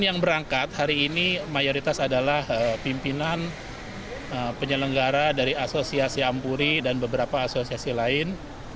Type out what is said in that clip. yang berangkat hari ini mayoritas adalah pimpinan penyelenggara dari asosiasi ampuri dan beberapa asosiasi lain